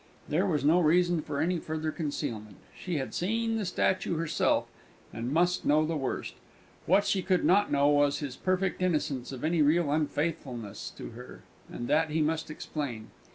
There was no reason for any further concealment: she had seen the statue herself, and must know the worst. What she could not know was his perfect innocence of any real unfaithfulness to her, and that he must explain.